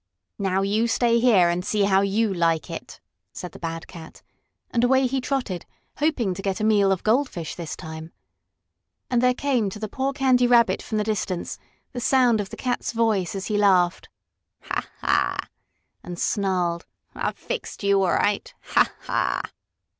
"Now you stay here a while and see how you like it," said the bad cat, and away he trotted, hoping to get a meal of goldfish this time. And there came to the poor Candy Rabbit from the distance the sound of the Cat's voice as he laughed, "Ha ha," and snarled, "I've fixed you all right! Ha ha!"